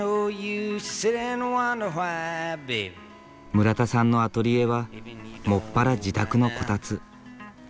村田さんのアトリエは専ら自宅のこたつ。